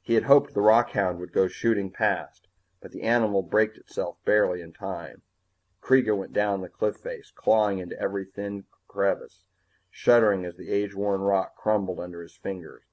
He had hoped the rockhound would go shooting past, but the animal braked itself barely in time. Kreega went down the cliff face, clawing into every tiny crevice, shuddering as the age worn rock crumbled under his fingers.